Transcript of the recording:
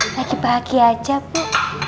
lagi lagi aja bu